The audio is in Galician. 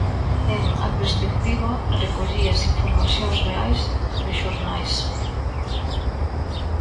En 'A perspectiva' recollías informacións reais de xornais.